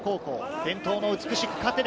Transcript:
伝統の「美しく勝て」で。